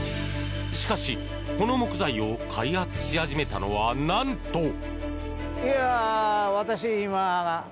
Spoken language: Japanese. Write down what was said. しかし、この木材を開発し始めたのは、なんと。